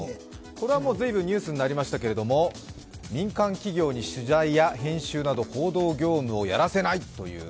随分ニュースになりましたけれども、民間企業に取材や編集など報道業務をやらせないという。